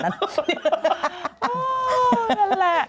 โอ้นั่นแหละ